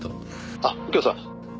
「あっ右京さん」